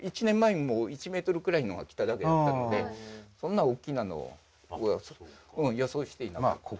１年前にも１メートルくらいのが来ただけだったんでそんな大きなのは予想していなかった。